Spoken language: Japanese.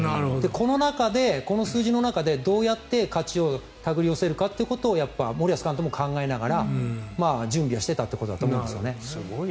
この中で、この数字の中でどうやって勝ちを手繰り寄せるかということをやっぱり森保監督も考えながら準備はしていたということだと思いますね。